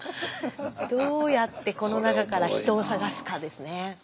スタジオどうやってこの中から人を捜すかですね。